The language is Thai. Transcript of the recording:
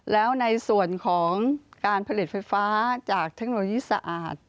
แล้วในส่วนของการผลิตไฟฟ้าจากเทคโนโลยีสะอาด